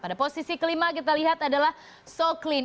pada posisi kelima kita lihat adalah soclean